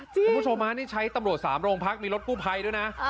คุณผู้ชมฮะนี่ใช้ตำรวจ๓โรงพักมีรถกู้ภัยด้วยนะ